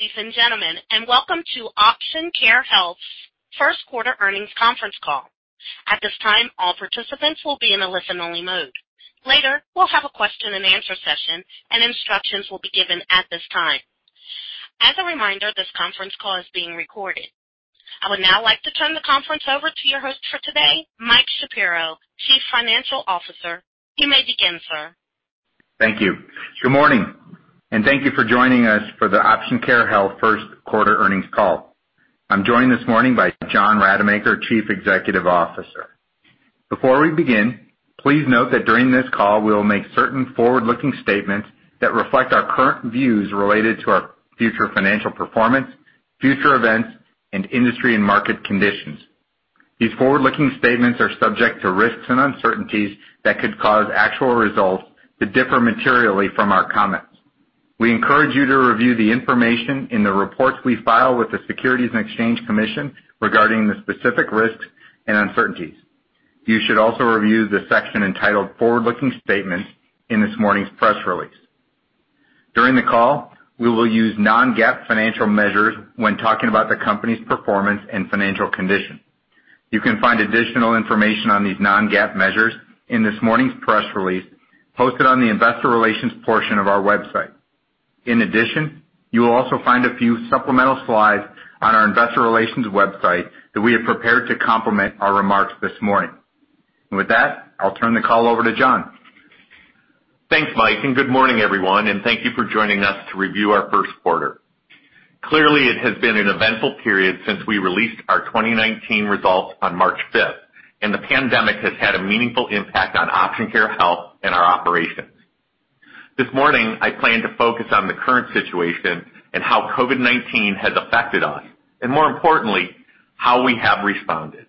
Good day, ladies and gentlemen, and welcome to Option Care Health's First Quarter Earnings Conference Call. At this time, all participants will be in a listen-only mode. Later, we'll have a question and answer session, and instructions will be given at this time. As a reminder, this conference call is being recorded. I would now like to turn the conference over to your host for today, Mike Shapiro, Chief Financial Officer. You may begin, sir. Thank you. Good morning, and thank you for joining us for the Option Care Health First Quarter Earnings Call. I'm joined this morning by John Rademacher, Chief Executive Officer. Before we begin, please note that during this call, we will make certain forward-looking statements that reflect our current views related to our future financial performance, future events, and industry and market conditions. These forward-looking statements are subject to risks and uncertainties that could cause actual results to differ materially from our comments. We encourage you to review the information in the reports we file with the Securities and Exchange Commission regarding the specific risks and uncertainties. You should also review the section entitled Forward-Looking Statements in this morning's press release. During the call, we will use non-GAAP financial measures when talking about the company's performance and financial condition. You can find additional information on these non-GAAP measures in this morning's press release posted on the investor relations portion of our website. In addition, you will also find a few supplemental slides on our investor relations website that we have prepared to complement our remarks this morning. With that, I'll turn the call over to John. Thanks, Mike, good morning, everyone, and thank you for joining us to review our first quarter. Clearly, it has been an eventful period since we released our 2019 results on March 5th. The pandemic has had a meaningful impact on Option Care Health and our operations. This morning, I plan to focus on the current situation and how COVID-19 has affected us, more importantly, how we have responded.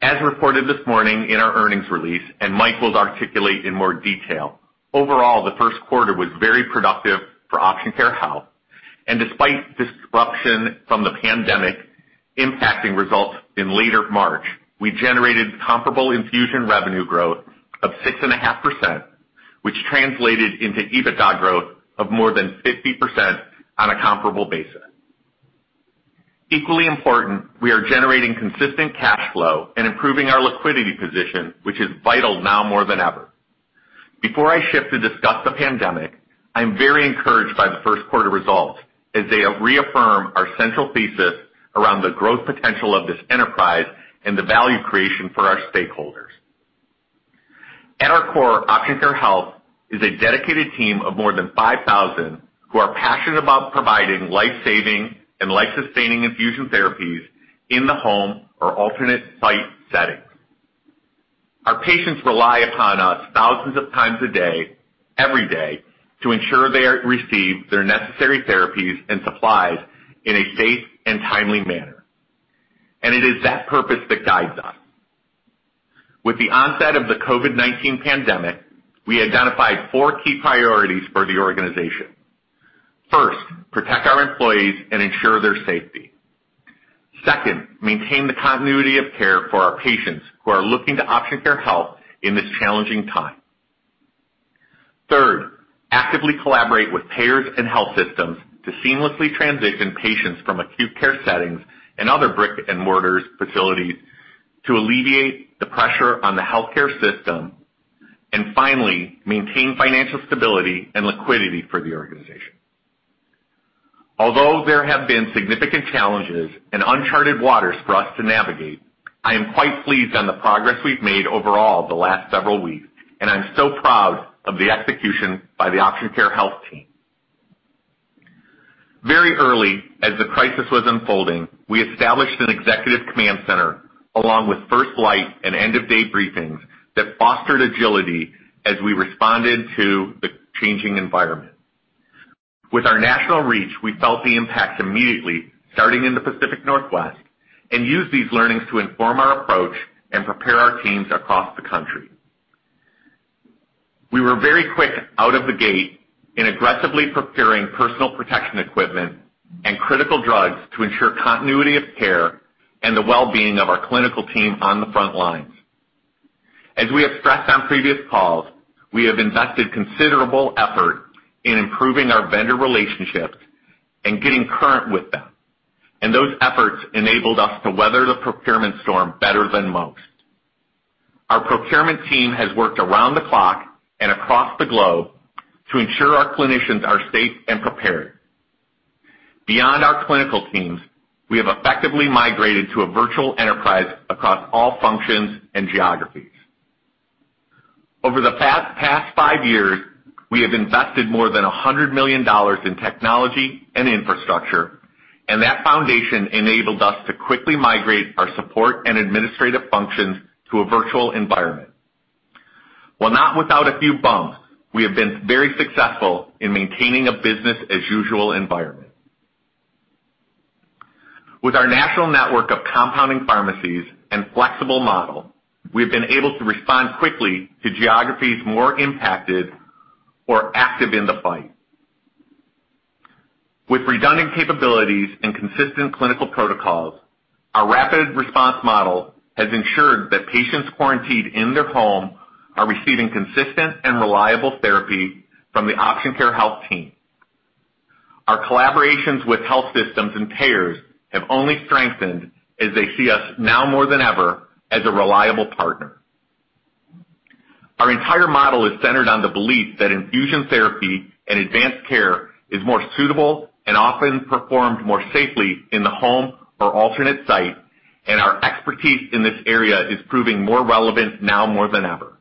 As reported this morning in our earnings release, Mike will articulate in more detail, overall, the first quarter was very productive for Option Care Health. Despite disruption from the pandemic impacting results in later March, we generated comparable infusion revenue growth of 6.5%, which translated into EBITDA growth of more than 50% on a comparable basis. Equally important, we are generating consistent cash flow and improving our liquidity position, which is vital now more than ever. Before I shift to discuss the pandemic, I am very encouraged by the first quarter results as they reaffirm our central thesis around the growth potential of this enterprise and the value creation for our stakeholders. At our core, Option Care Health is a dedicated team of more than 5,000 who are passionate about providing life-saving and life-sustaining infusion therapies in the home or alternate site settings. Our patients rely upon us thousands of times a day, every day, to ensure they receive their necessary therapies and supplies in a safe and timely manner. It is that purpose that guides us. With the onset of the COVID-19 pandemic, we identified four key priorities for the organization. First, protect our employees and ensure their safety. Second, maintain the continuity of care for our patients who are looking to Option Care Health in this challenging time. Third, actively collaborate with payers and health systems to seamlessly transition patients from acute care settings and other brick-and-mortar facilities to alleviate the pressure on the healthcare system. Finally, maintain financial stability and liquidity for the organization. Although there have been significant challenges and uncharted waters for us to navigate, I am quite pleased on the progress we've made overall the last several weeks, and I'm so proud of the execution by the Option Care Health team. Very early, as the crisis was unfolding, we established an executive command center along with first light and end-of-day briefings that fostered agility as we responded to the changing environment. With our national reach, we felt the impact immediately, starting in the Pacific Northwest, and used these learnings to inform our approach and prepare our teams across the country. We were very quick out of the gate in aggressively procuring personal protection equipment and critical drugs to ensure continuity of care and the well-being of our clinical team on the front lines. As we expressed on previous calls, we have invested considerable effort in improving our vendor relationships and getting current with them, and those efforts enabled us to weather the procurement storm better than most. Our procurement team has worked around the clock and across the globe to ensure our clinicians are safe and prepared. Beyond our clinical teams, we have effectively migrated to a virtual enterprise across all functions and geographies. Over the past five years, we have invested more than $100 million in technology and infrastructure, and that foundation enabled us to quickly migrate our support and administrative functions to a virtual environment. While not without a few bumps, we have been very successful in maintaining a business as usual environment. With our national network of compounding pharmacies and flexible model, we have been able to respond quickly to geographies more impacted or active in the fight. With redundant capabilities and consistent clinical protocols, our rapid response model has ensured that patients quarantined in their home are receiving consistent and reliable therapy from the Option Care Health team. Our collaborations with health systems and payers have only strengthened as they see us now more than ever as a reliable partner. Our entire model is centered on the belief that infusion therapy and advanced care is more suitable and often performed more safely in the home or alternate site, and our expertise in this area is proving more relevant now more than ever.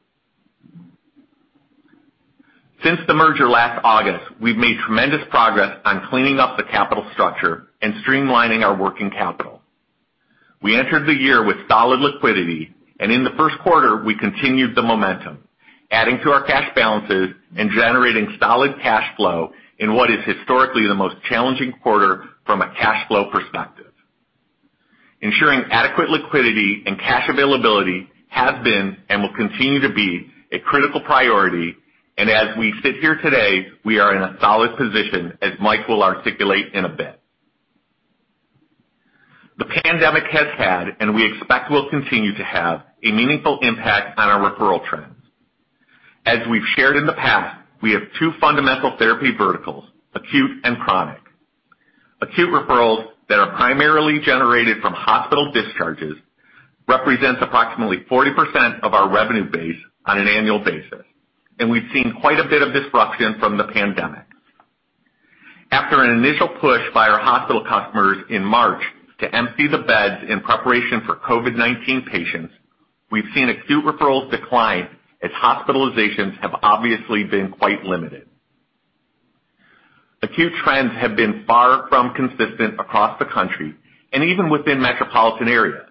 Since the merger last August, we've made tremendous progress on cleaning up the capital structure and streamlining our working capital. We entered the year with solid liquidity, and in the first quarter, we continued the momentum, adding to our cash balances and generating solid cash flow in what is historically the most challenging quarter from a cash flow perspective. Ensuring adequate liquidity and cash availability have been and will continue to be a critical priority, and as we sit here today, we are in a solid position, as Mike will articulate in a bit. The pandemic has had, and we expect will continue to have, a meaningful impact on our referral trends. As we've shared in the past, we have two fundamental therapy verticals, acute and chronic. Acute referrals that are primarily generated from hospital discharges represents approximately 40% of our revenue base on an annual basis, and we've seen quite a bit of disruption from the pandemic. After an initial push by our hospital customers in March to empty the beds in preparation for COVID-19 patients, we've seen acute referrals decline as hospitalizations have obviously been quite limited. Acute trends have been far from consistent across the country and even within metropolitan areas.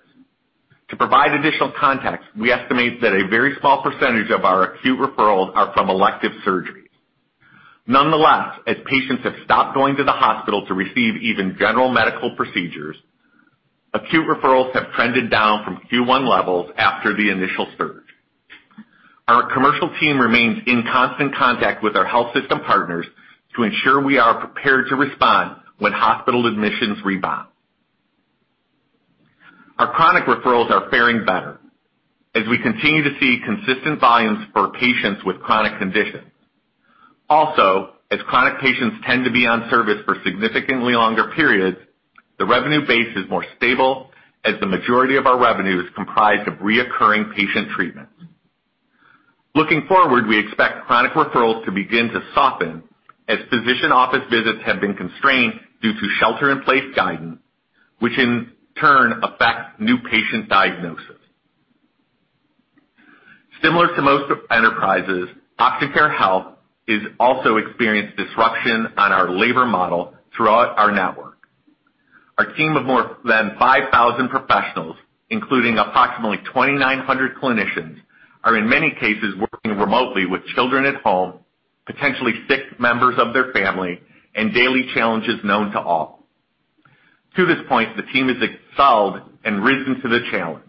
To provide additional context, we estimate that a very small percentage of our acute referrals are from elective surgeries. Nonetheless, as patients have stopped going to the hospital to receive even general medical procedures, acute referrals have trended down from Q1 levels after the initial surge. Our commercial team remains in constant contact with our health system partners to ensure we are prepared to respond when hospital admissions rebound. Our chronic referrals are faring better as we continue to see consistent volumes for patients with chronic conditions. Also, as chronic patients tend to be on service for significantly longer periods, the revenue base is more stable as the majority of our revenue is comprised of recurring patient treatment. Looking forward, we expect chronic referrals to begin to soften as physician office visits have been constrained due to shelter-in-place guidance, which in turn affects new patient diagnosis. Similar to most enterprises, Option Care Health is also experienced disruption on our labor model throughout our network. Our team of more than 5,000 professionals, including approximately 2,900 clinicians, are in many cases, working remotely with children at home, potentially sick members of their family, and daily challenges known to all. To this point, the team has excelled and risen to the challenge.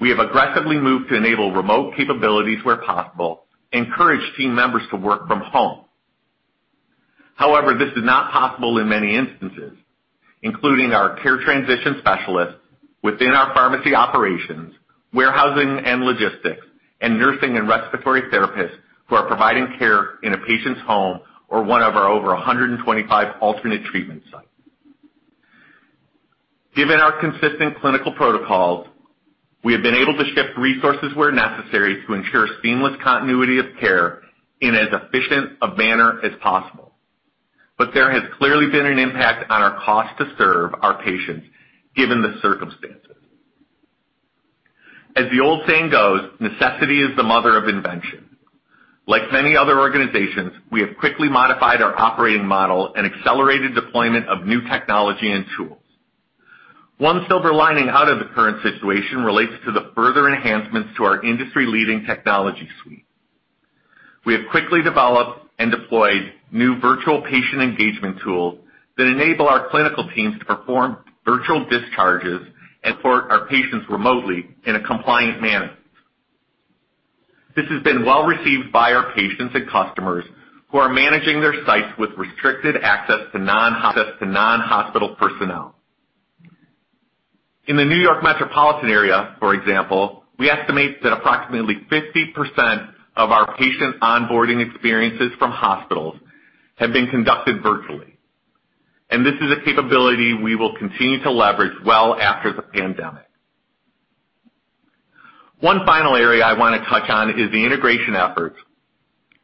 We have aggressively moved to enable remote capabilities where possible, encourage team members to work from home. This is not possible in many instances, including our care transition specialists within our pharmacy operations, warehousing and logistics, and nursing and respiratory therapists who are providing care in a patient's home or one of our over 125 alternate treatment sites. Given our consistent clinical protocols, we have been able to shift resources where necessary to ensure seamless continuity of care in as efficient a manner as possible. There has clearly been an impact on our cost to serve our patients, given the circumstances. As the old saying goes, necessity is the mother of invention. Like many other organizations, we have quickly modified our operating model and accelerated deployment of new technology and tools. One silver lining out of the current situation relates to the further enhancements to our industry-leading technology suite. We have quickly developed and deployed new virtual patient engagement tools that enable our clinical teams to perform virtual discharges and support our patients remotely in a compliant manner. This has been well-received by our patients and customers who are managing their sites with restricted access to non-hospital personnel. In the New York metropolitan area, for example, we estimate that approximately 50% of our patient onboarding experiences from hospitals have been conducted virtually. This is a capability we will continue to leverage well after the pandemic. One final area I want to touch on is the integration efforts.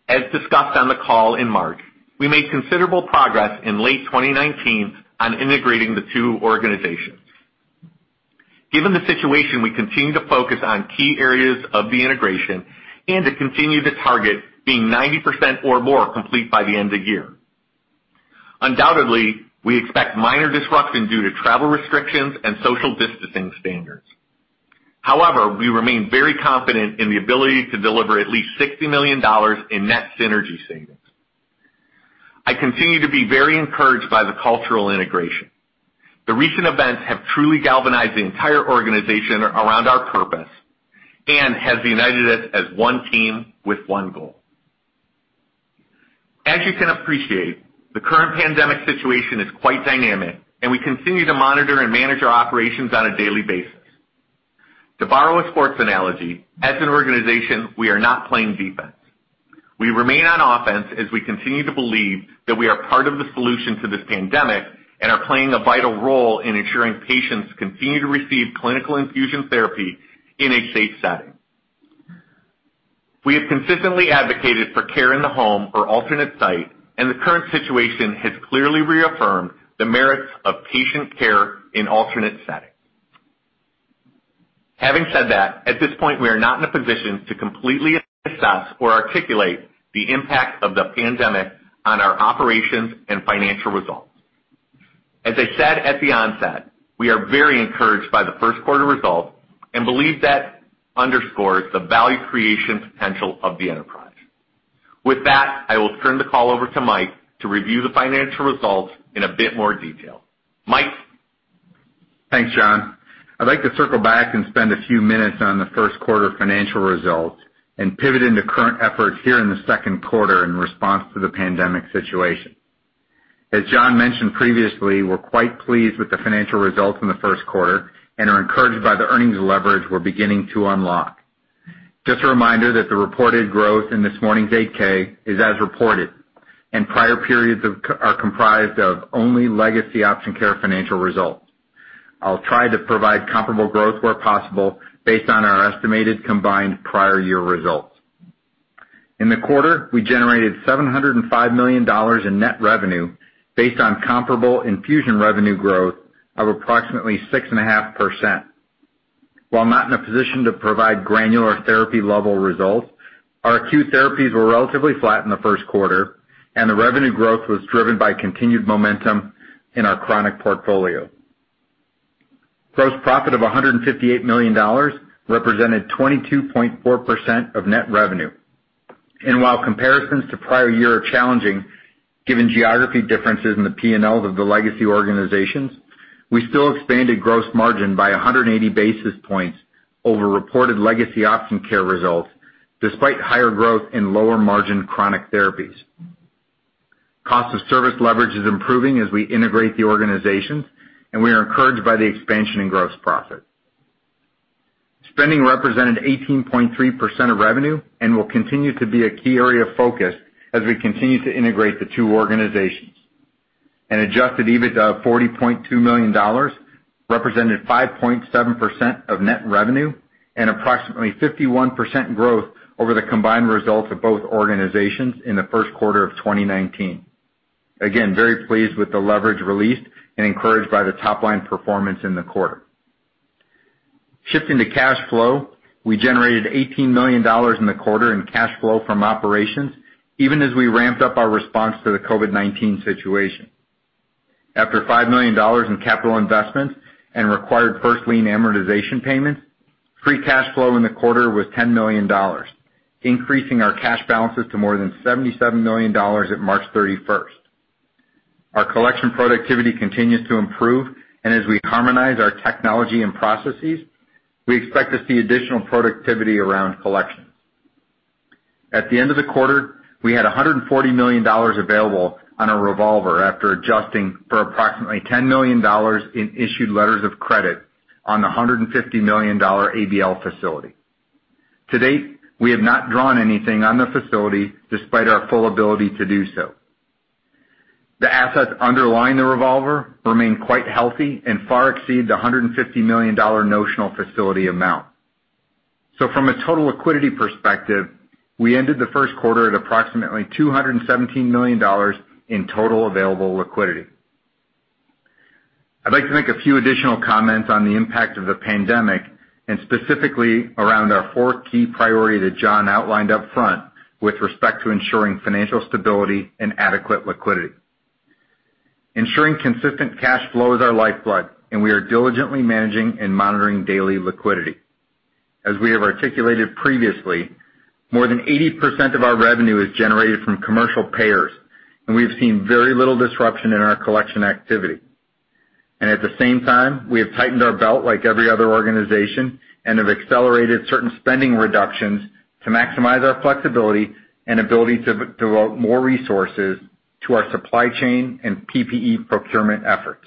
As discussed on the call in March, we made considerable progress in late 2019 on integrating the two organizations. Given the situation, we continue to focus on key areas of the integration and to continue to target being 90% or more complete by the end of the year. Undoubtedly, we expect minor disruption due to travel restrictions and social distancing standards. We remain very confident in the ability to deliver at least $60 million in net synergy savings. I continue to be very encouraged by the cultural integration. The recent events have truly galvanized the entire organization around our purpose and has united us as one team with one goal. As you can appreciate, the current pandemic situation is quite dynamic, and we continue to monitor and manage our operations on a daily basis. To borrow a sports analogy, as an organization, we are not playing defense. We remain on offense as we continue to believe that we are part of the solution to this pandemic and are playing a vital role in ensuring patients continue to receive clinical infusion therapy in a safe setting. We have consistently advocated for care in the home or alternate site. The current situation has clearly reaffirmed the merits of patient care in alternate settings. Having said that, at this point, we are not in a position to completely assess or articulate the impact of the pandemic on our operations and financial results. As I said at the onset, we are very encouraged by the first quarter results. We believe that underscores the value creation potential of the enterprise. With that, I will turn the call over to Mike to review the financial results in a bit more detail. Mike? Thanks, John. I'd like to circle back and spend a few minutes on the first quarter financial results and pivot into current efforts here in the second quarter in response to the pandemic situation. As John mentioned previously, we're quite pleased with the financial results in the first quarter and are encouraged by the earnings leverage we're beginning to unlock. Just a reminder that the reported growth in this morning's 8-K is as reported and prior periods are comprised of only legacy Option Care financial results. I'll try to provide comparable growth where possible based on our estimated combined prior year results. In the quarter, we generated $705 million in net revenue based on comparable infusion revenue growth of approximately 6.5%. While not in a position to provide granular therapy level results, our acute therapies were relatively flat in the first quarter. The revenue growth was driven by continued momentum in our chronic portfolio. Gross profit of $158 million represented 22.4% of net revenue. While comparisons to prior-year are challenging, given geography differences in the P&Ls of the legacy organizations, we still expanded gross margin by 180 basis points over reported legacy Option Care results, despite higher growth in lower margin chronic therapies. Cost of service leverage is improving as we integrate the organizations. We are encouraged by the expansion in gross profit. Spending represented 18.3% of revenue. Will continue to be a key area of focus as we continue to integrate the two organizations. An adjusted EBITDA of $40.2 million represented 5.7% of net revenue and approximately 51% growth over the combined results of both organizations in the first quarter of 2019. Again, very pleased with the leverage released and encouraged by the top-line performance in the quarter. Shifting to cash flow, we generated $18 million in the quarter in cash flow from operations, even as we ramped up our response to the COVID-19 situation. After $5 million in capital investments and required first lien amortization payments, free cash flow in the quarter was $10 million, increasing our cash balances to more than $77 million at March 31st. Our collection productivity continues to improve, and as we harmonize our technology and processes, we expect to see additional productivity around collections. At the end of the quarter, we had $140 million available on our revolver after adjusting for approximately $10 million in issued letters of credit on the $150 million ABL facility. To date, we have not drawn anything on the facility despite our full ability to do so. The assets underlying the revolver remain quite healthy and far exceed the $150 million notional facility amount. From a total liquidity perspective, we ended the first quarter at approximately $217 million in total available liquidity. I'd like to make a few additional comments on the impact of the pandemic and specifically around our four key priority that John outlined up front with respect to ensuring financial stability and adequate liquidity. Ensuring consistent cash flow is our lifeblood, and we are diligently managing and monitoring daily liquidity. As we have articulated previously, more than 80% of our revenue is generated from commercial payers. We've seen very little disruption in our collection activity. At the same time, we have tightened our belt like every other organization and have accelerated certain spending reductions to maximize our flexibility and ability to devote more resources to our supply chain and PPE procurement efforts.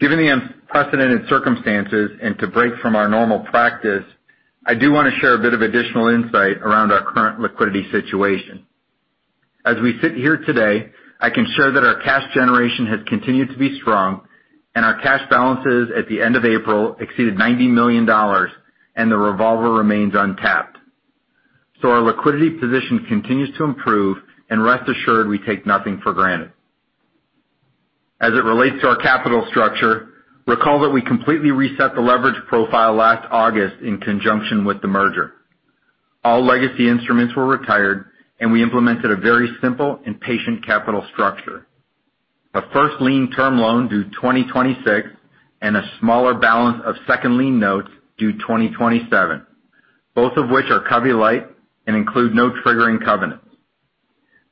Given the unprecedented circumstances and to break from our normal practice, I do want to share a bit of additional insight around our current liquidity situation. As we sit here today, I can share that our cash generation has continued to be strong and our cash balances at the end of April exceeded $90 million. The revolver remains untapped. Our liquidity position continues to improve. Rest assured, we take nothing for granted. As it relates to our capital structure, recall that we completely reset the leverage profile last August in conjunction with the merger. All legacy instruments were retired, and we implemented a very simple and patient capital structure. A first lien term loan due 2026 and a smaller balance of second lien notes due 2027, both of which are covenant light and include no triggering covenants.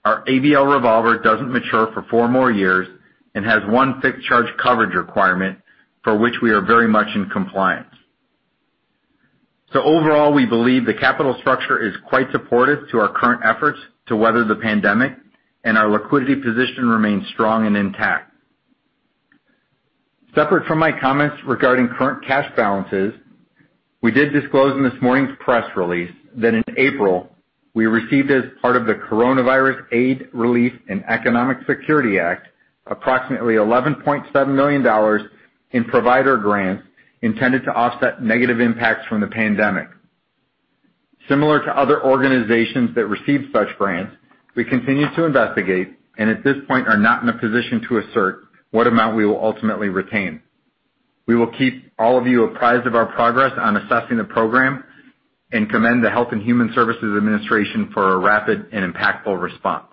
Our ABL revolver doesn't mature for four more years and has one fixed charge coverage requirement for which we are very much in compliance. Overall, we believe the capital structure is quite supportive to our current efforts to weather the pandemic, and our liquidity position remains strong and intact. Separate from my comments regarding current cash balances, we did disclose in this morning's press release that in April, we received as part of the Coronavirus Aid, Relief, and Economic Security Act, approximately $11.7 million in provider grants intended to offset negative impacts from the pandemic. Similar to other organizations that receive such grants, we continue to investigate and at this point are not in a position to assert what amount we will ultimately retain. We will keep all of you apprised of our progress on assessing the program and commend the Health and Human Services Department for a rapid and impactful response.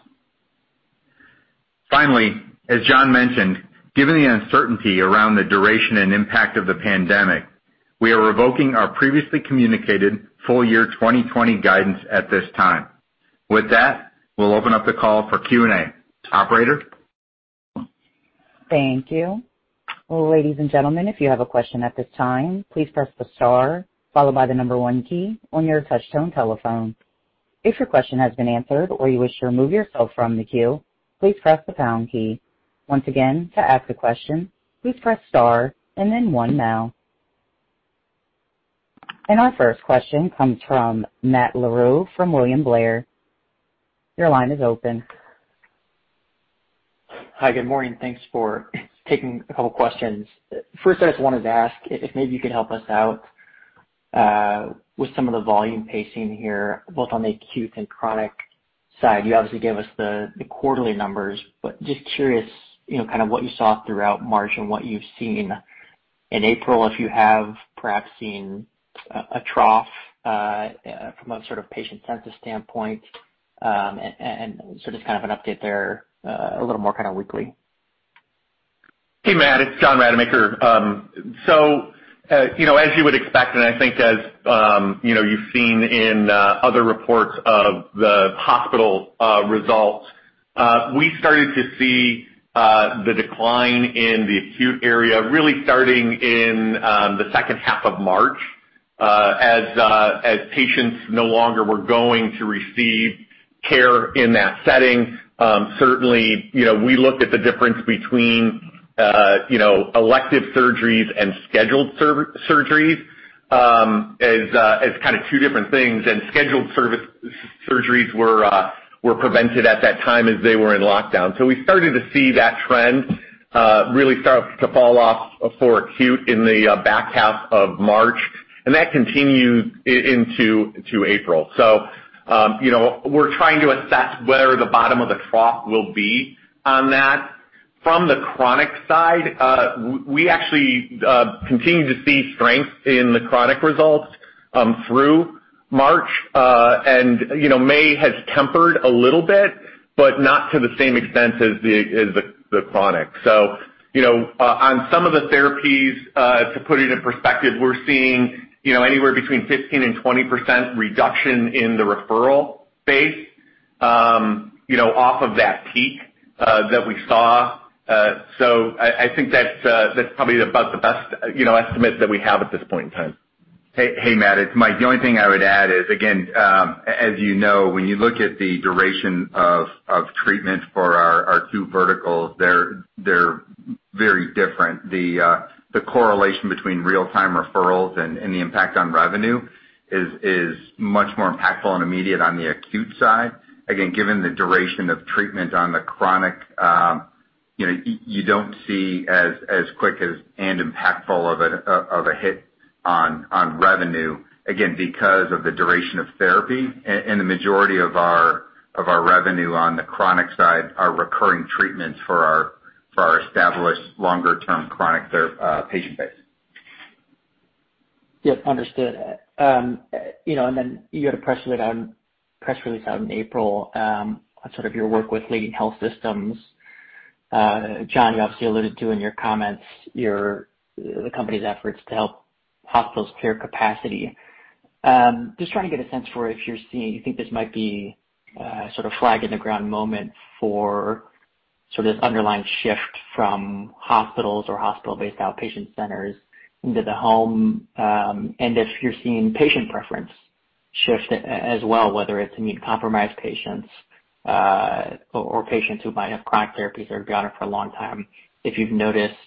As John mentioned, given the uncertainty around the duration and impact of the pandemic, we are revoking our previously communicated full year 2020 guidance at this time. With that, we'll open up the call for Q&A. Operator? Thank you. Ladies and gentlemen, if you have a question at this time, please press the star followed by the number one key on your touch-tone telephone. If your question has been answered or you wish to remove yourself from the queue, please press the pound key. Once again, to ask a question, please press star and then one now. Our first question comes from Matt Larew from William Blair. Your line is open. Hi, good morning. Thanks for taking a couple of questions. I just wanted to ask if maybe you could help us out with some of the volume pacing here, both on the acute and chronic side. You obviously gave us the quarterly numbers, but just curious, what you saw throughout March and what you've seen in April, if you have perhaps seen a trough from a sort of patient census standpoint, and just kind of an update there, a little more kind of weekly? Hey, Matt, it's John Rademacher. As you would expect, and I think as you've seen in other reports of the hospital results, we started to see the decline in the acute area really starting in the second half of March, as patients no longer were going to receive care in that setting. Certainly, we looked at the difference between elective surgeries and scheduled surgeries as kind of two different things, and scheduled surgeries were prevented at that time as they were in lockdown. We started to see that trend really start to fall off for acute in the back half of March, and that continued into April. We're trying to assess where the bottom of the trough will be on that. From the chronic side, we actually continue to see strength in the chronic results through March. May has tempered a little bit, but not to the same extent as the chronic. On some of the therapies, to put it in perspective, we're seeing anywhere between 15% and 20% reduction in the referral base off of that peak that we saw. I think that's probably about the best estimate that we have at this point in time. Hey, Matt, it's Mike. The only thing I would add is, again, as you know, when you look at the duration of treatment for our two verticals, they're very different. The correlation between real-time referrals and the impact on revenue is much more impactful and immediate on the acute side. Again, given the duration of treatment on the chronic, you don't see as quick as, and impactful of a hit on revenue, again, because of the duration of therapy and the majority of our revenue on the chronic side are recurring treatments for our established longer-term chronic care patient base. Yep, understood. Then you had a press release out in April on sort of your work with leading health systems. John, you obviously alluded to in your comments the company's efforts to help hospitals clear capacity. Just trying to get a sense for if you think this might be a sort of flag in the ground moment for sort of this underlying shift from hospitals or hospital-based outpatient centers into the home. If you're seeing patient preference shift as well, whether it's immunocompromised patients or patients who might have chronic therapies or have been on it for a long time, if you've noticed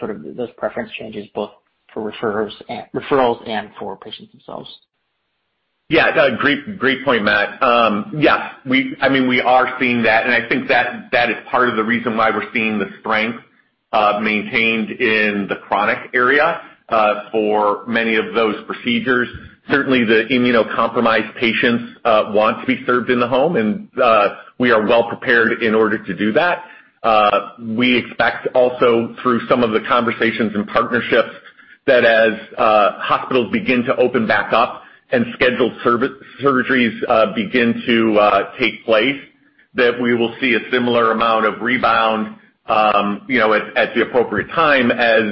sort of those preference changes both for referrals and for patients themselves. Yeah. Great point, Matt. Yeah, we are seeing that, and I think that is part of the reason why we're seeing the strength maintained in the chronic area for many of those procedures. Certainly, the immunocompromised patients want to be served in the home, and we are well prepared in order to do that. We expect also through some of the conversations and partnerships that as hospitals begin to open back up and scheduled surgeries begin to take place, that we will see a similar amount of rebound at the appropriate time as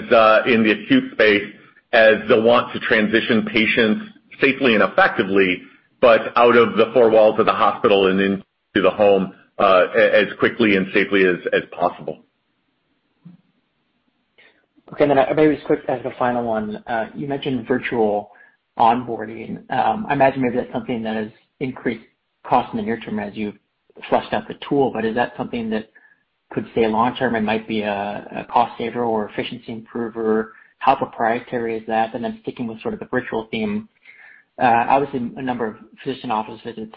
in the acute space, as the want to transition patients safely and effectively, but out of the four walls of the hospital and into the home as quickly and safely as possible. Okay. Maybe just quick as the final one, you mentioned virtual onboarding. I imagine maybe that's something that has increased cost in the near term as you fleshed out the tool, but is that something that could stay long-term? It might be a cost saver or efficiency improver. How proprietary is that? Sticking with sort of the virtual theme, obviously a number of physician office visits,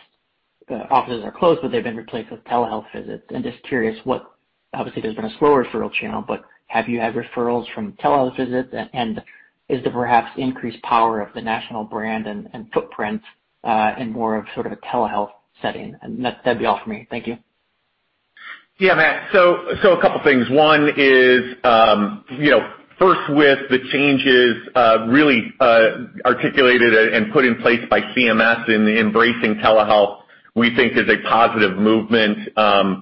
offices are closed, but they've been replaced with telehealth visits. Just curious, obviously, there's been a slow referral channel, but have you had referrals from telehealth visits? Is there perhaps increased power of the national brand and footprint, in more of sort of a telehealth setting? That'd be all for me. Thank you. Yeah, Matt. A couple things. One is, first with the changes really articulated and put in place by CMS in embracing telehealth, we think is a positive movement,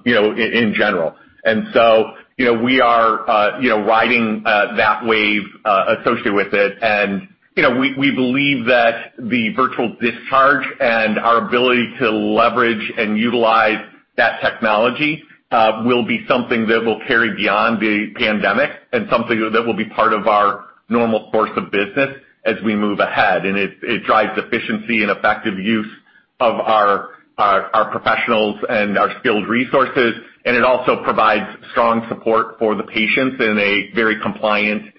in general. We are riding that wave associated with it. We believe that the virtual discharge and our ability to leverage and utilize that technology, will be something that will carry beyond the pandemic and something that will be part of our normal course of business as we move ahead. It drives efficiency and effective use of our professionals and our skilled resources. It also provides strong support for the patients in a very compliant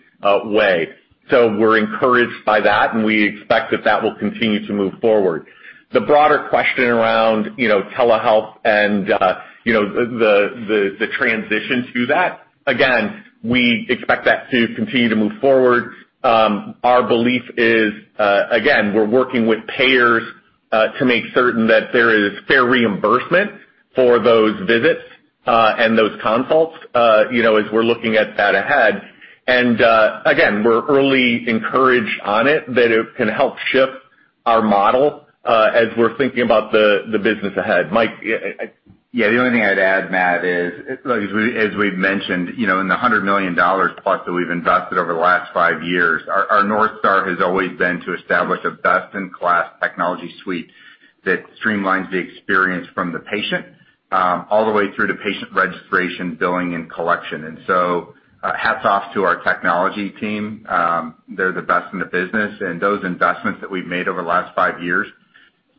way. We're encouraged by that, and we expect that that will continue to move forward. The broader question around telehealth and the transition to that, again, we expect that to continue to move forward. Our belief is, again, we're working with payers, to make certain that there is fair reimbursement for those visits, and those consults as we're looking at that ahead. Again, we're early encouraged on it that it can help shift our model, as we're thinking about the business ahead. Mike? The only thing I'd add, Matt, is, as we've mentioned, in the $100+ million that we've invested over the last five years, our North Star has always been to establish a best-in-class technology suite that streamlines the experience from the patient, all the way through to patient registration, billing, and collection. Hats off to our technology team. They're the best in the business, and those investments that we've made over the last five years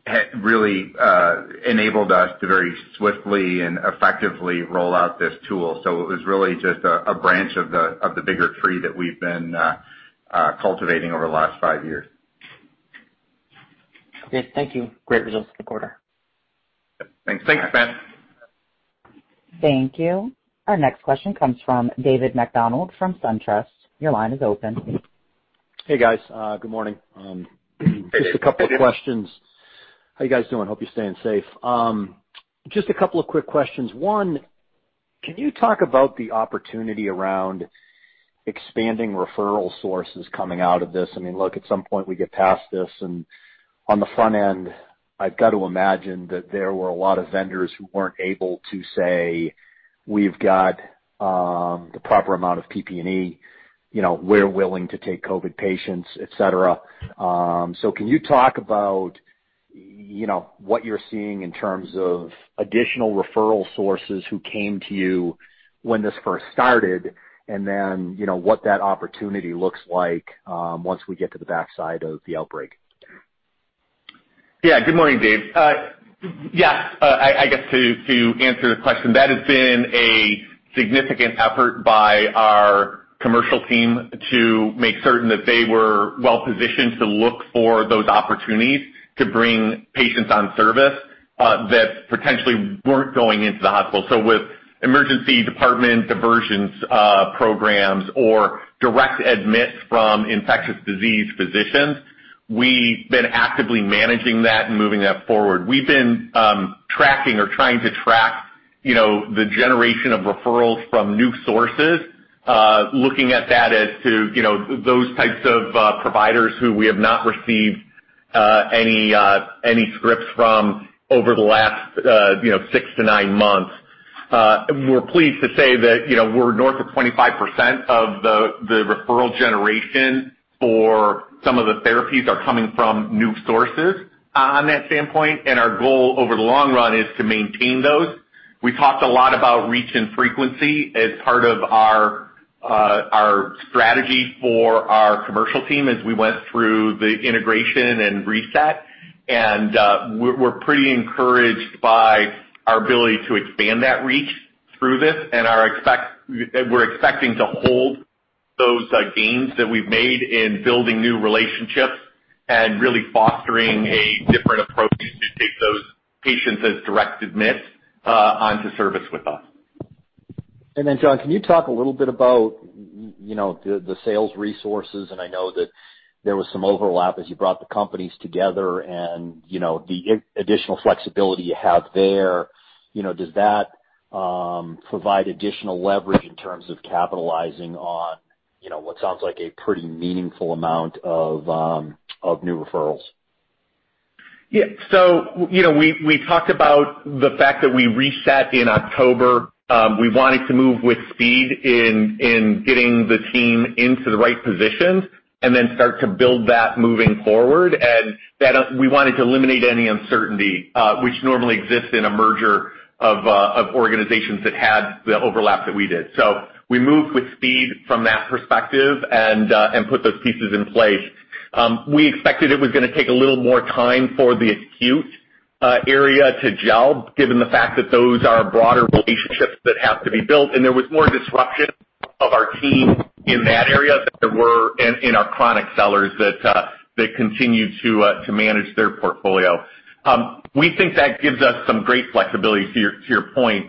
have really enabled us to very swiftly and effectively roll out this tool. It was really just a branch of the bigger tree that we've been cultivating over the last five years. Great. Thank you. Great results for the quarter. Thanks. Thanks, Matt. Thank you. Our next question comes from David MacDonald from SunTrust. Your line is open. Hey, guys. Good morning. Hey, David. Just a couple of questions. How you guys doing? Hope you're staying safe. Just a couple of quick questions. One, can you talk about the opportunity around expanding referral sources coming out of this? I mean, look, at some point, we get past this, and on the front end, I've got to imagine that there were a lot of vendors who weren't able to say, "We've got the proper amount of PPE. We're willing to take COVID patients," et cetera. Can you talk about what you're seeing in terms of additional referral sources who came to you when this first started, and then what that opportunity looks like once we get to the backside of the outbreak? Yeah. Good morning, David. Yeah. I guess to answer the question, that has been a significant effort by our commercial team to make certain that they were well-positioned to look for those opportunities to bring patients on service, that potentially weren't going into the hospital. With emergency department diversions programs or direct admits from infectious disease physicians, we've been actively managing that and moving that forward. We've been tracking or trying to track the generation of referrals from new sources, looking at that as to those types of providers who we have not received any scripts from over the last six to nine months. We're pleased to say that we're north of 25% of the referral generation for some of the therapies are coming from new sources on that standpoint. Our goal over the long run is to maintain those. We talked a lot about reach and frequency as part of our strategy for our commercial team as we went through the integration and reset. We're pretty encouraged by our ability to expand that reach through this and we're expecting to hold those gains that we've made in building new relationships and really fostering a different approach to take those patients as direct admits onto service with us. Then, John, can you talk a little bit about the sales resources, and I know that there was some overlap as you brought the companies together and the additional flexibility you have there. Does that provide additional leverage in terms of capitalizing on what sounds like a pretty meaningful amount of new referrals? We talked about the fact that we reset in October. We wanted to move with speed in getting the team into the right positions and then start to build that moving forward. We wanted to eliminate any uncertainty, which normally exists in a merger of organizations that had the overlap that we did. We moved with speed from that perspective and put those pieces in place. We expected it was going to take a little more time for the acute area to gel, given the fact that those are broader relationships that have to be built, and there was more disruption of our team in that area than there were in our chronic sellers that continue to manage their portfolio. We think that gives us some great flexibility to your point,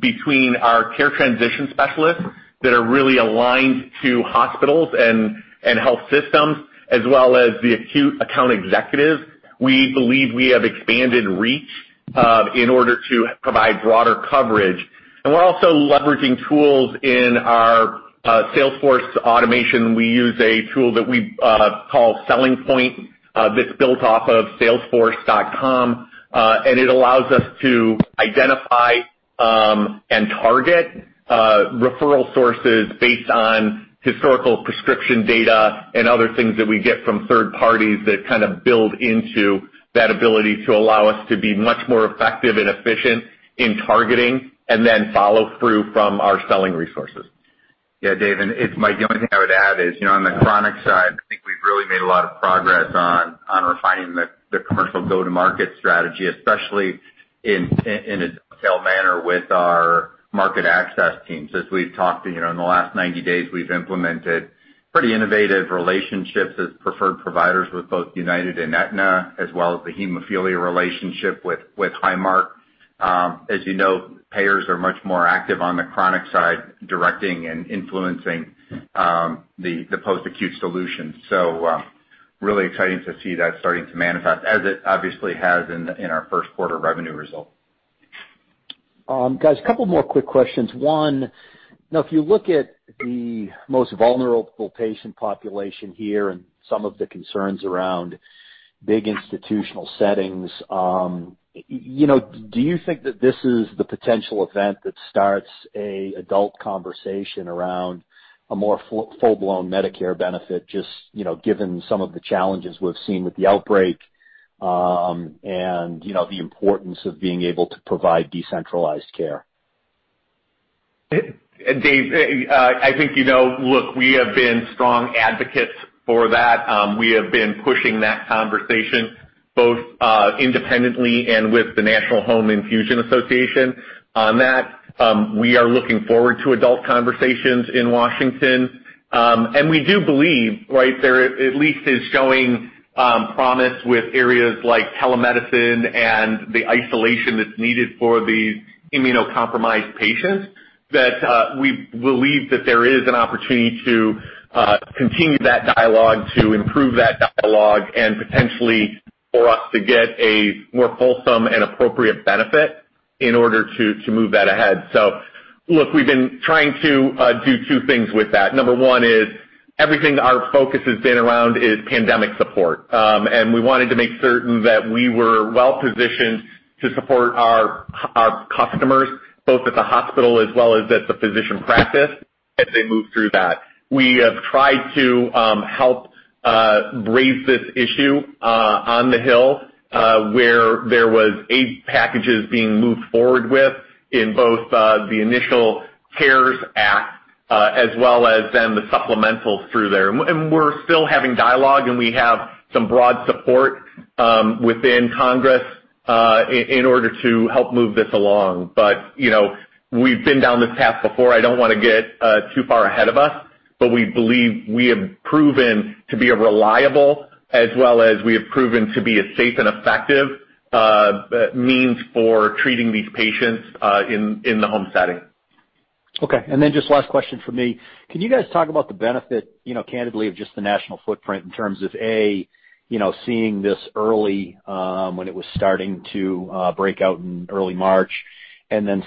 between our care transition specialists that are really aligned to hospitals and health systems, as well as the acute account executives. We believe we have expanded reach in order to provide broader coverage. We're also leveraging tools in our Salesforce automation. We use a tool that we call Selling Point, that's built off of Salesforce. It allows us to identify and target referral sources based on historical prescription data and other things that we get from third parties that build into that ability to allow us to be much more effective and efficient in targeting, then follow through from our selling resources. Yeah, Dave, it's Mike, the only thing I would add is, on the chronic side, I think we've really made a lot of progress on refining the commercial go-to-market strategy, especially in a detailed manner with our market access teams. As we've talked, in the last 90 days, we've implemented pretty innovative relationships as preferred providers with both United and Aetna, as well as the hemophilia relationship with Highmark. As you know, payers are much more active on the chronic side, directing and influencing the post-acute solution. Really exciting to see that starting to manifest, as it obviously has in our first quarter revenue result. Guys, a couple more quick questions. One, now if you look at the most vulnerable patient population here and some of the concerns around big institutional settings, do you think that this is the potential event that starts a adult conversation around a more full-blown Medicare benefit, just given some of the challenges we've seen with the outbreak, and the importance of being able to provide decentralized care? Dave, I think, look, we have been strong advocates for that. We have been pushing that conversation both independently and with the National Home Infusion Association on that. We are looking forward to adult conversations in Washington. We do believe, right, there at least is showing promise with areas like telemedicine and the isolation that's needed for these immunocompromised patients, that we believe that there is an opportunity to continue that dialogue, to improve that dialogue, and potentially for us to get a more wholesome and appropriate benefit in order to move that ahead. Look, we've been trying to do two things with that. Number one is everything our focus has been around is pandemic support. We wanted to make certain that we were well-positioned to support our customers, both at the hospital as well as at the physician practice, as they move through that. We have tried to help raise this issue on the Hill, where there was eight packages being moved forward with in both the initial CARES Act as well as then the supplementals through there. We're still having dialogue, and we have some broad support within Congress in order to help move this along. We've been down this path before. I don't want to get too far ahead of us, but we believe we have proven to be a reliable, as well as we have proven to be a safe and effective means for treating these patients in the home setting. Okay, just last question from me. Can you guys talk about the benefit, candidly, of just the national footprint in terms of, A, seeing this early when it was starting to break out in early March?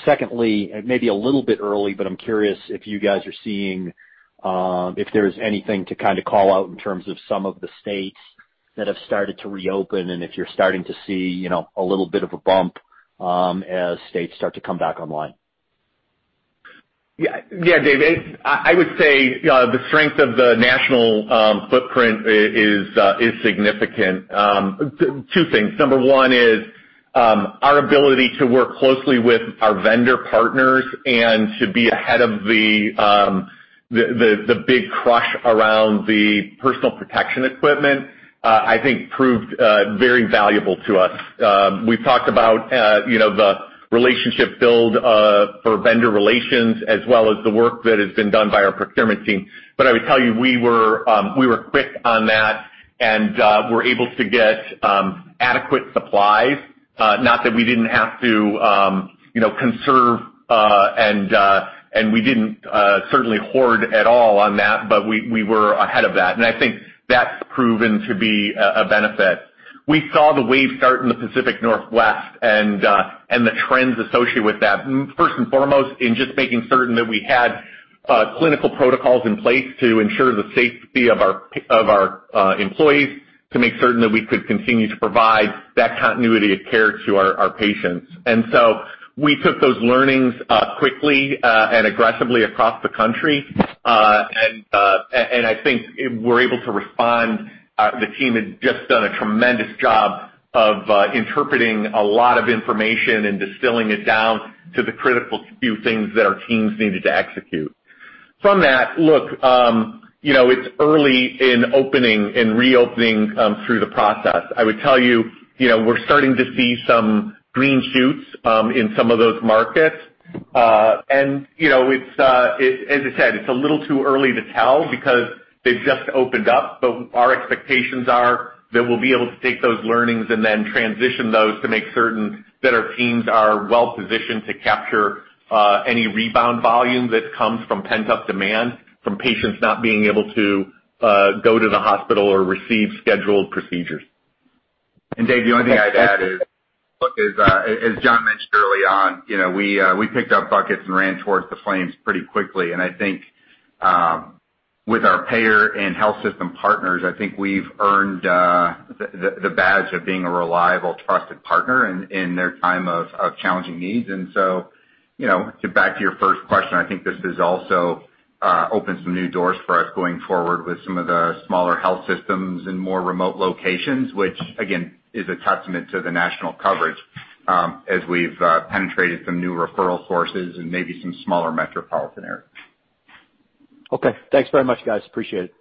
Secondly, it may be a little bit early, but I'm curious if you guys are seeing if there's anything to call out in terms of some of the states that have started to reopen, and if you're starting to see a little bit of a bump as states start to come back online. Yeah, Dave, I would say the strength of the national footprint is significant. Two things. Number one is our ability to work closely with our vendor partners and to be ahead of the big crush around the personal protection equipment, I think proved very valuable to us. We've talked about the relationship build for vendor relations as well as the work that has been done by our procurement team. I would tell you, we were quick on that, and were able to get adequate supplies. Not that we didn't have to conserve, and we didn't certainly hoard at all on that, but we were ahead of that. I think that's proven to be a benefit. We saw the wave start in the Pacific Northwest and the trends associated with that, first and foremost, in just making certain that we had clinical protocols in place to ensure the safety of our employees to make certain that we could continue to provide that continuity of care to our patients. We took those learnings quickly and aggressively across the country. I think we're able to respond. The team has just done a tremendous job of interpreting a lot of information and distilling it down to the critical few things that our teams needed to execute. From that, look, it's early in opening and reopening through the process. I would tell you, we're starting to see some green shoots in some of those markets. As I said, it's a little too early to tell because they've just opened up, but our expectations are that we'll be able to take those learnings and then transition those to make certain that our teams are well-positioned to capture any rebound volume that comes from pent-up demand from patients not being able to go to the hospital or receive scheduled procedures. David, the only thing I'd add is, look, as John mentioned early on, we picked up buckets and ran towards the flames pretty quickly, and I think with our payer and health system partners, I think we've earned the badge of being a reliable, trusted partner in their time of challenging needs. To back to your first question, I think this has also opened some new doors for us going forward with some of the smaller health systems and more remote locations. Which again, is a testament to the national coverage as we've penetrated some new referral sources and maybe some smaller metropolitan areas. Okay. Thanks very much, guys. Appreciate it.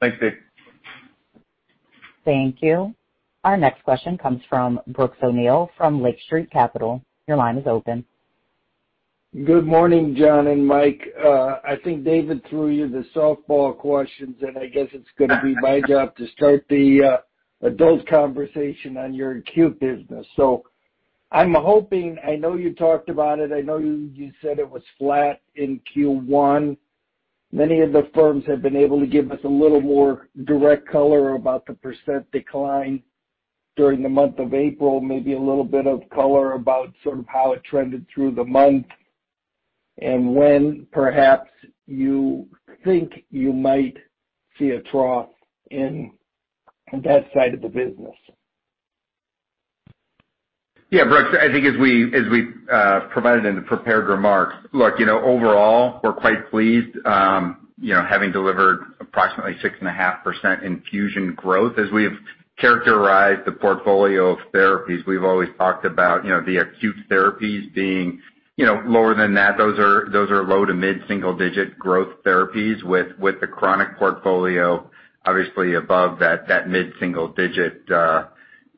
Thanks, Dave. Thank you. Our next question comes from Brooks O'Neil from Lake Street Capital. Your line is open. Good morning, John and Mike. I think David threw you the softball questions, and I guess it's going to be my job to start the adult conversation on your acute business. I'm hoping, I know you talked about it, I know you said it was flat in Q1. Many of the firms have been able to give us a little more direct color about the percent decline during the month of April, maybe a little bit of color about how it trended through the month, and when perhaps you think you might see a trough in that side of the business. Yeah, Brooks, I think as we provided in the prepared remarks, look, overall, we're quite pleased having delivered approximately 6.5% infusion growth. As we've characterized the portfolio of therapies, we've always talked about the acute therapies being lower than that. Those are low to mid-single digit growth therapies with the chronic portfolio obviously above that mid-single digit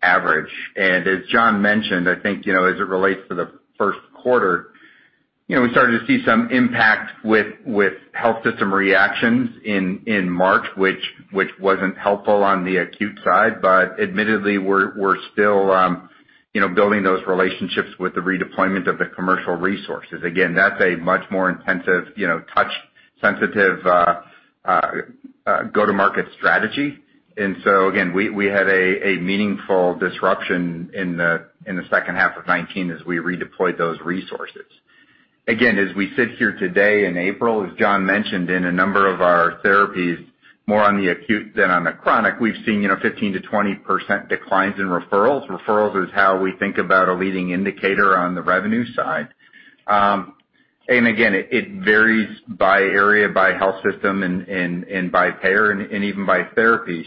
average. As John mentioned, I think, as it relates to the first quarter, we started to see some impact with health system reactions in March, which wasn't helpful on the acute side. Admittedly, we're still building those relationships with the redeployment of the commercial resources. Again, that's a much more intensive touch sensitive go-to-market strategy. Again, we had a meaningful disruption in the second half of 2019 as we redeployed those resources. Again, as we sit here today in April, as John mentioned, in a number of our therapies, more on the acute than on the chronic, we've seen 15%-20% declines in referrals. Referrals is how we think about a leading indicator on the revenue side. It varies by area, by health system, and by payer, and even by therapy.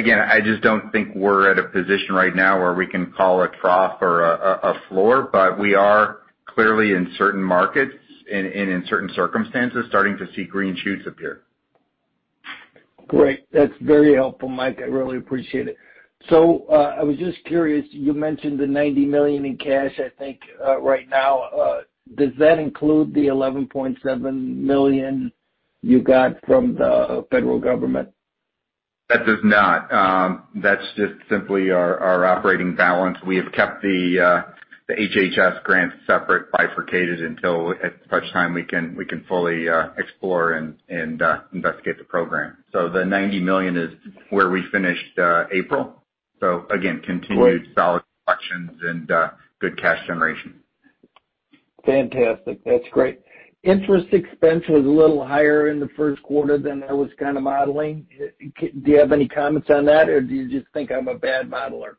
I just don't think we're at a position right now where we can call a trough or a floor, but we are clearly in certain markets and in certain circumstances, starting to see green shoots appear. Great. That's very helpful, Mike. I really appreciate it. I was just curious, you mentioned the $90 million in cash, I think right now. Does that include the $11.7 million you got from the federal government? That does not. That's just simply our operating balance. We have kept the HHS grant separate, bifurcated until such time we can fully explore and investigate the program. The $90 million is where we finished April. Again, continued solid collections and good cash generation. Fantastic. That's great. Interest expense was a little higher in the first quarter than I was modeling. Do you have any comments on that, or do you just think I'm a bad modeler?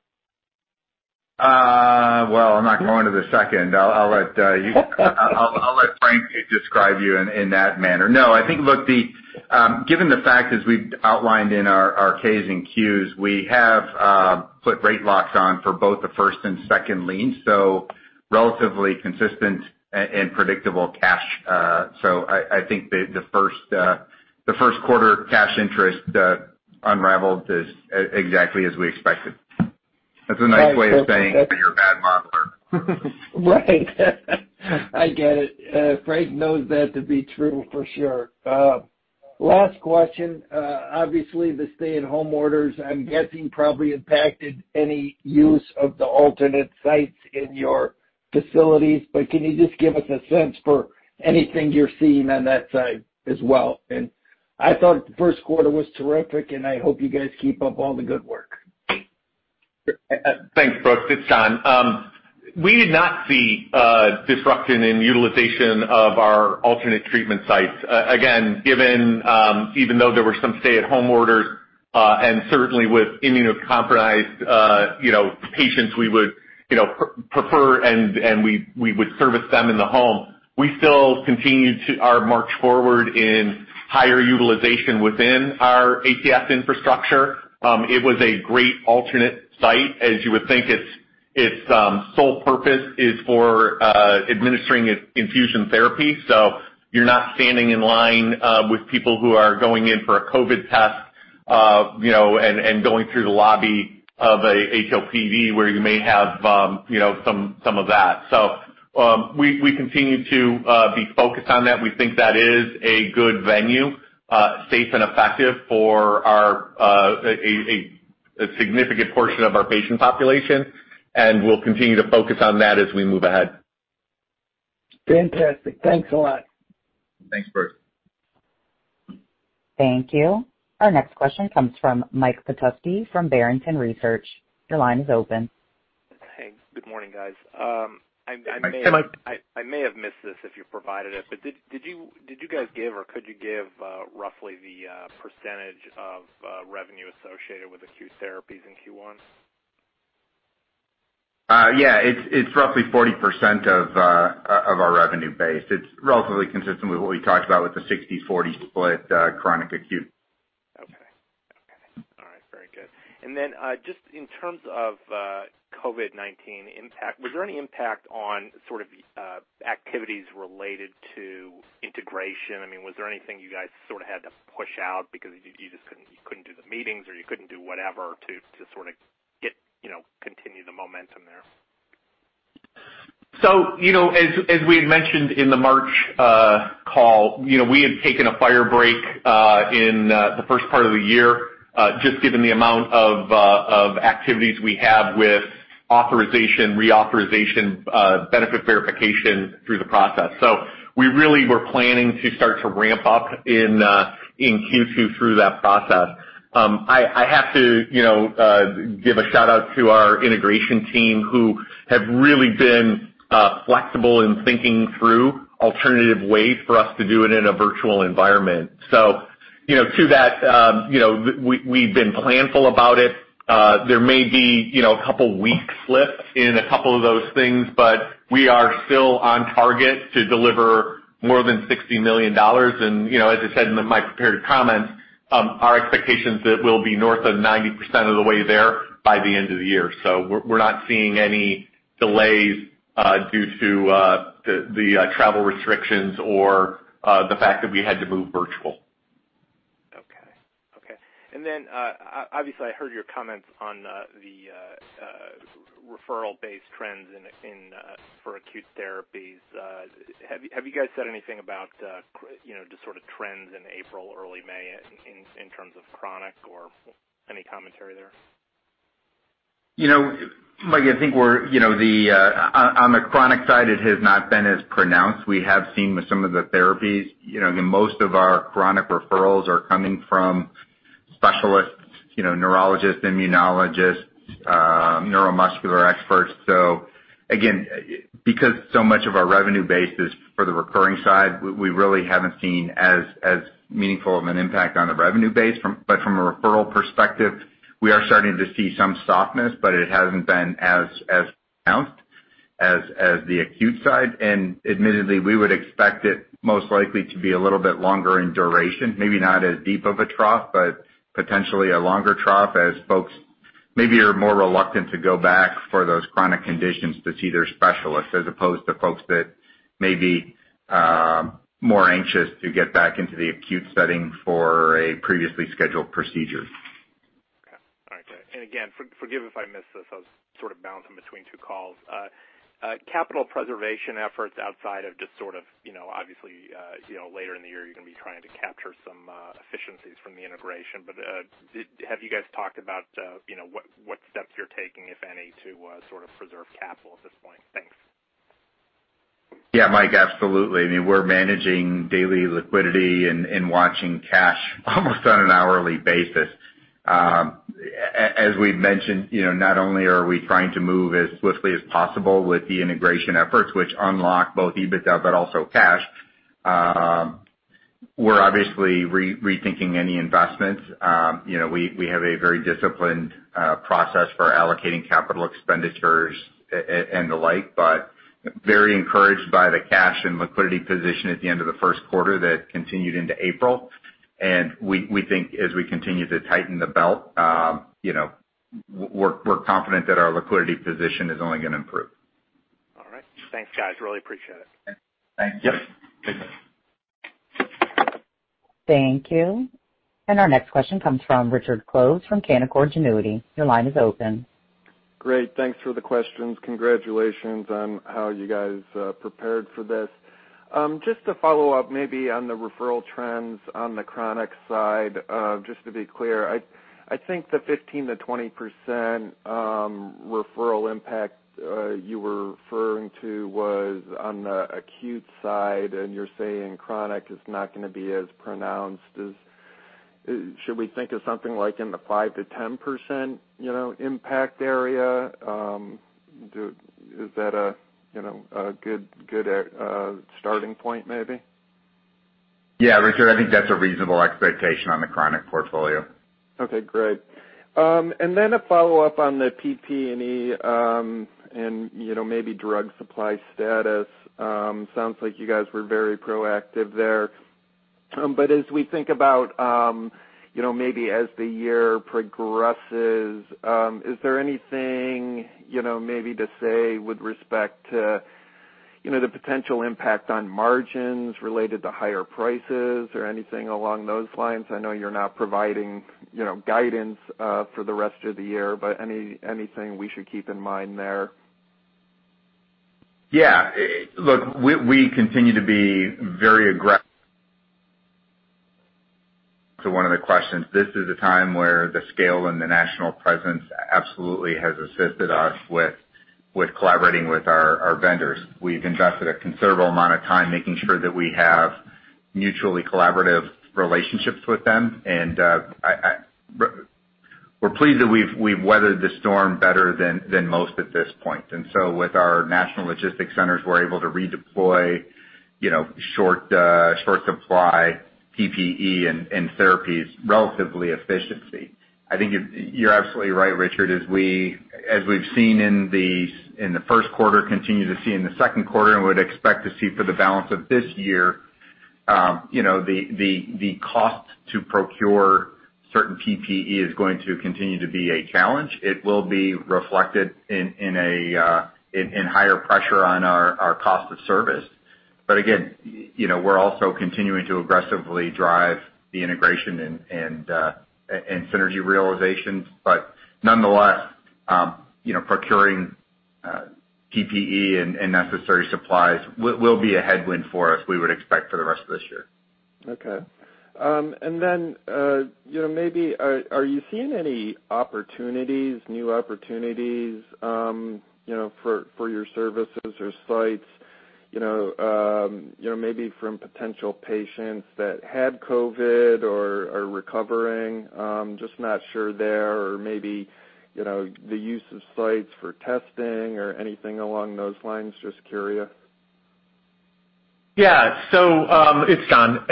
I'm not going to the second. I'll let Frank describe you in that manner. I think, look, given the fact as we've outlined in our Ks and Qs, we have put rate locks on for both the first and second lien, relatively consistent and predictable cash. I think the first quarter cash interest unraveled is exactly as we expected. That's a nice way of saying that you're a bad modeler. Right. I get it. Frank knows that to be true for sure. Last question. Obviously, the stay-at-home orders, I'm guessing, probably impacted any use of the alternate sites in your facilities, but can you just give us a sense for anything you're seeing on that side as well? I thought the first quarter was terrific, and I hope you guys keep up all the good work. Thanks, Brooks. It's John. We did not see a disruption in utilization of our alternate treatment sites. Even though there were some stay-at-home orders, and certainly with immunocompromised patients, we would prefer and we would service them in the home. We still continued our march forward in higher utilization within our ATS infrastructure. It was a great alternate site, as you would think Its sole purpose is for administering infusion therapy. You're not standing in line with people who are going in for a COVID test and going through the lobby of a HOPD, where you may have some of that. We continue to be focused on that. We think that is a good venue, safe and effective for a significant portion of our patient population, and we'll continue to focus on that as we move ahead. Fantastic. Thanks a lot. Thanks, Brooks. Thank you. Our next question comes from Mike Petusky from Barrington Research. Your line is open. Hey, good morning, guys. Hi, Mike. I may have missed this if you provided it, but did you guys give or could you give roughly the percentage of revenue associated with acute therapies in Q1? Yeah. It's roughly 40% of our revenue base. It's relatively consistent with what we talked about with the 60/40 split, chronic/acute. Okay. All right. Very good. Then just in terms of COVID-19 impact, was there any impact on sort of activities related to integration? Was there anything you guys sort of had to push out because you just couldn't do the meetings, or you couldn't do whatever to sort of get, continue the momentum there? As we had mentioned in the March call, we had taken a fire break, in the first part of the year, just given the amount of activities we have with authorization, reauthorization, benefit verification through the process. We really were planning to start to ramp up in Q2 through that process. I have to give a shout-out to our integration team who have really been flexible in thinking through alternative ways for us to do it in a virtual environment. To that, we've been planful about it. There may be a couple weeks slip in a couple of those things, we are still on target to deliver more than $60 million. As I said in my prepared comments, our expectation's that we'll be north of 90% of the way there by the end of the year. We're not seeing any delays due to the travel restrictions or the fact that we had to move virtual. Okay. Obviously I heard your comments on the referral-based trends for acute therapies. Have you guys said anything about the sort of trends in April, early May in terms of chronic or any commentary there? Mike, I think on the chronic side, it has not been as pronounced. We have seen with some of the therapies, most of our chronic referrals are coming from specialists, neurologists, immunologists, neuromuscular experts. Again, because so much of our revenue base is for the recurring side, we really haven't seen as meaningful of an impact on the revenue base. From a referral perspective, we are starting to see some softness, but it hasn't been as pronounced as the acute side. Admittedly, we would expect it most likely to be a little bit longer in duration, maybe not as deep of a trough, but potentially a longer trough as folks maybe are more reluctant to go back for those chronic conditions to see their specialists as opposed to folks that may be more anxious to get back into the acute setting for a previously scheduled procedure. Okay. All right. Again, forgive if I missed this, I was sort of bouncing between two calls. Capital preservation efforts outside of just sort of, obviously, later in the year, you're going to be trying to capture some efficiencies from the integration. Have you guys talked about what steps you're taking, if any, to sort of preserve capital at this point? Thanks. Yeah, Mike. Absolutely. We're managing daily liquidity and watching cash almost on an hourly basis. As we've mentioned, not only are we trying to move as swiftly as possible with the integration efforts, which unlock both EBITDA but also cash, we're obviously rethinking any investments. We have a very disciplined process for allocating capital expenditures and the like, but very encouraged by the cash and liquidity position at the end of the first quarter that continued into April. We think as we continue to tighten the belt, we're confident that our liquidity position is only going to improve. All right. Thanks, guys. Really appreciate it. Thank you. Thank you. Our next question comes from Richard Close from Canaccord Genuity. Your line is open. Great. Thanks for the questions. Congratulations on how you guys prepared for this. Just to follow up maybe on the referral trends on the chronic side, just to be clear, I think the 15%-20% referral impact you were referring to was on the acute side, and you're saying chronic is not going to be as pronounced as. Should we think of something like in the 5%-10% impact area? Is that a good starting point, maybe? Yeah, Richard, I think that's a reasonable expectation on the chronic portfolio. Okay, great. A follow-up on the PPE and maybe drug supply status. Sounds like you guys were very proactive there. As we think about maybe as the year progresses, is there anything maybe to say with respect to the potential impact on margins related to higher prices or anything along those lines? I know you're not providing guidance for the rest of the year, anything we should keep in mind there? Yeah. Look, we continue to be very aggressive. To one of the questions, this is a time where the scale and the national presence absolutely has assisted us with collaborating with our vendors. We've invested a considerable amount of time making sure that we have mutually collaborative relationships with them, and we're pleased that we've weathered the storm better than most at this point. With our national logistics centers, we're able to redeploy short supply PPE and therapies relatively efficiently. I think you're absolutely right, Richard, as we've seen in the first quarter, continue to see in the second quarter, and would expect to see for the balance of this year, the cost to procure certain PPE is going to continue to be a challenge. It will be reflected in higher pressure on our cost of service. Again, we're also continuing to aggressively drive the integration and synergy realizations. Nonetheless, procuring PPE and necessary supplies will be a headwind for us, we would expect, for the rest of this year. Okay. Maybe are you seeing any opportunities, new opportunities, for your services or sites maybe from potential patients that had COVID or are recovering? Just not sure there, or maybe the use of sites for testing or anything along those lines? Just curious. Yeah. It's John,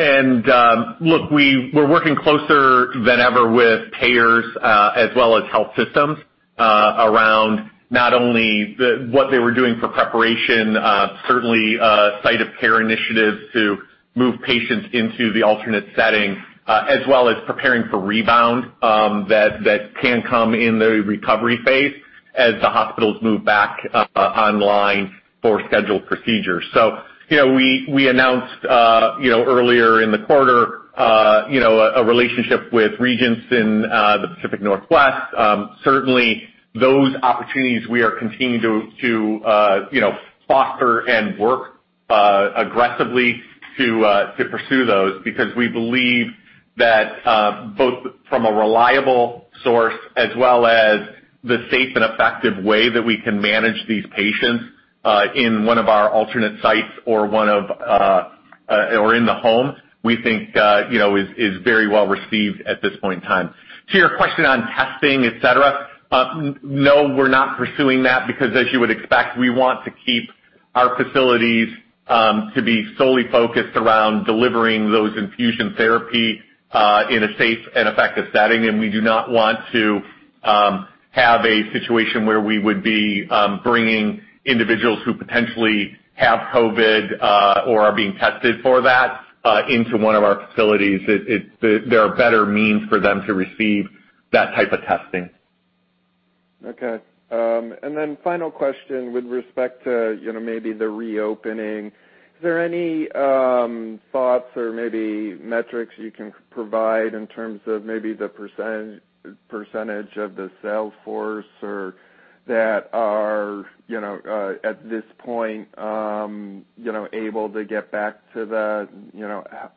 look, we're working closer than ever with payers, as well as health systems, around not only what they were doing for preparation, certainly site of care initiatives to move patients into the alternate setting, as well as preparing for rebound that can come in the recovery phase as the hospitals move back online for scheduled procedures. We announced earlier in the quarter a relationship with Regence in the Pacific Northwest. Certainly those opportunities we are continuing to foster and work aggressively to pursue those because we believe that both from a reliable source as well as the safe and effective way that we can manage these patients, in one of our alternate sites or in the home, we think is very well received at this point in time. To your question on testing, et cetera, no, we're not pursuing that because, as you would expect, we want to keep our facilities to be solely focused around delivering those infusion therapy in a safe and effective setting, and we do not want to have a situation where we would be bringing individuals who potentially have COVID or are being tested for that into one of our facilities. There are better means for them to receive that type of testing. Okay. Final question with respect to maybe the reopening. Is there any thoughts or maybe metrics you can provide in terms of maybe the percentage of the sales force or that are at this point able to get back to the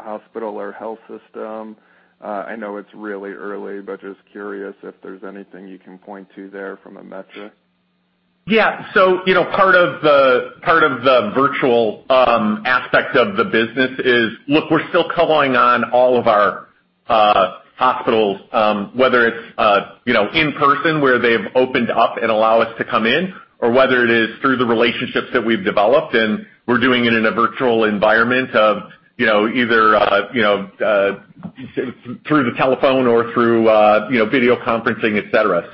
hospital or health system? I know it's really early, just curious if there's anything you can point to there from a metric. Yeah. Part of the virtual aspect of the business is, look, we're still calling on all of our hospitals, whether it's in person where they've opened up and allow us to come in, or whether it is through the relationships that we've developed and we're doing it in a virtual environment of either through the telephone or through video conferencing, et cetera.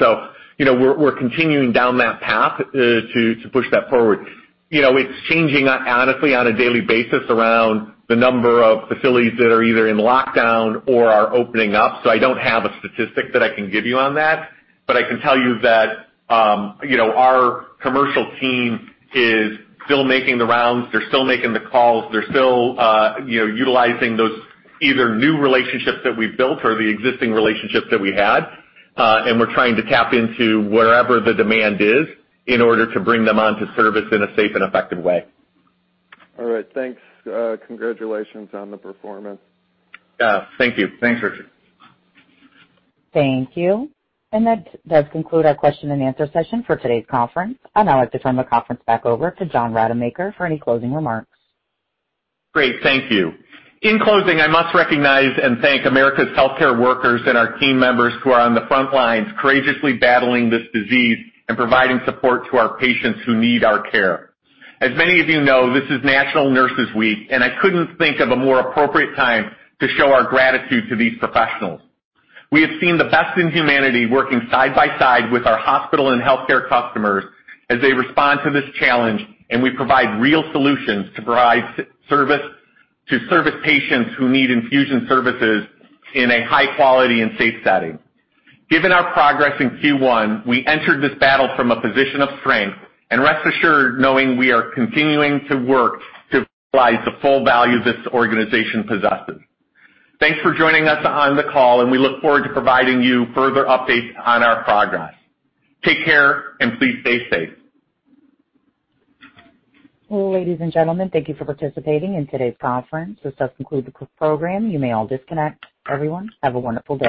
We're continuing down that path to push that forward. It's changing, honestly, on a daily basis around the number of facilities that are either in lockdown or are opening up. I don't have a statistic that I can give you on that, but I can tell you that our commercial team is still making the rounds. They're still making the calls. They're still utilizing those either new relationships that we've built or the existing relationships that we had. We're trying to tap into wherever the demand is in order to bring them on to service in a safe and effective way. All right, thanks. Congratulations on the performance. Yeah. Thank you. Thanks, Richard. Thank you. That does conclude our question and answer session for today's conference. I'd now like to turn the conference back over to John Rademacher for any closing remarks. Great. Thank you. In closing, I must recognize and thank America's healthcare workers and our team members who are on the front lines courageously battling this disease and providing support to our patients who need our care. As many of you know, this is National Nurses Week, I couldn't think of a more appropriate time to show our gratitude to these professionals. We have seen the best in humanity working side by side with our hospital and healthcare customers as they respond to this challenge. We provide real solutions to service patients who need infusion services in a high quality and safe setting. Given our progress in Q1, we entered this battle from a position of strength. Rest assured knowing we are continuing to work to realize the full value this organization possesses. Thanks for joining us on the call, and we look forward to providing you further updates on our progress. Take care, and please stay safe. Ladies and gentlemen, thank you for participating in today's conference. This does conclude the program. You may all disconnect. Everyone, have a wonderful day.